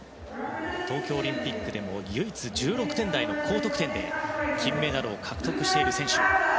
東京オリンピックでも唯一１６点台の高得点で金メダルを獲得している選手。